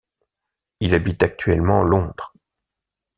Il habite actuellement Londres.